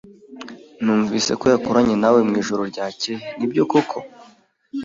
Numvise ko yakoranye nawe mwijoro ryakeye. Nibyo koko?